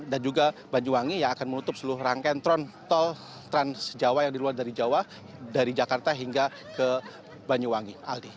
dan juga banyuwangi yang akan menutup seluruh rangkaian tol trans jawa yang diluar dari jawa dari jakarta hingga ke banyuwangi